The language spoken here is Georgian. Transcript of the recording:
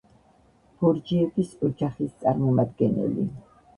ბორჯიების ოჯახის წარმომადგენელი.